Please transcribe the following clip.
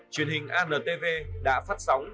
truyền hình antv đã phát sóng